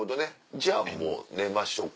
じゃあもう寝ましょうか。